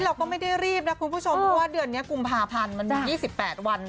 เราก็ไม่ได้รีบนะคุณผู้ชมเพราะว่าเดือนนี้กุมภาพันธ์มันมี๒๘วัน